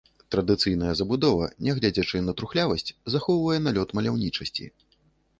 Традыцыйная забудова, нягледзячы на трухлявасць, захоўвае налёт маляўнічасці.